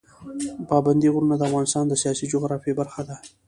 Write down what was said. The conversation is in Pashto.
پابندی غرونه د افغانستان د سیاسي جغرافیه برخه ده.